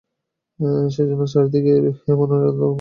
সেইজন্যই চারি দিকে এমন নিরানন্দ, এমন নিরানন্দ!